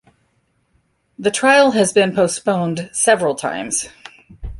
The trial has been postponed several times.